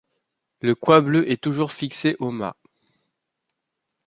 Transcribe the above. Le coin bleu est toujours fixé au mat.